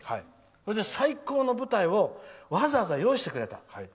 それで、最高の舞台をわざわざ用意してくれた。